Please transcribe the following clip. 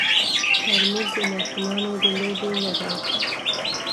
ترموز د ماشومانو د لوبې نه دی.